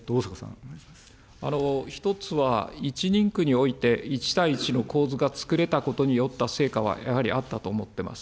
１つは、１人区において１対１の構図がつくれたことによった成果はやはりあったと思っています。